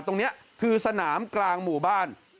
ตรงนี้คือสนามกลางหมู่บ้าน